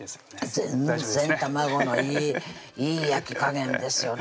全然卵のいいいい焼き加減ですよね